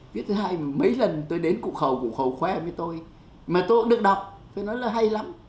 viết ra hay mấy lần tôi đến cụ khẩu cụ khẩu khoe với tôi mà tôi cũng được đọc tôi nói là hay lắm